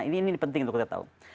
ini penting untuk kita tahu